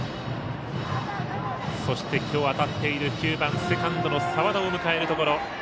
そして、きょう当たっている９番セカンドの澤田を迎えるところ。